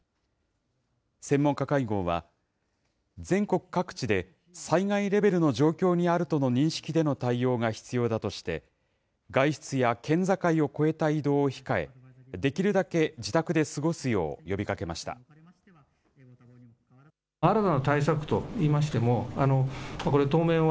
専門家会合は、全国各地で災害レベルの状況にあるとの認識での対応が必要だとして、外出や県境を越えた移動を控え、できるだけ自宅で過ごすよう呼びかけました。